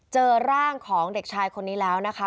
เจอร่างของเด็กชายคนนี้แล้วนะคะ